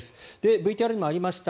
ＶＴＲにもありました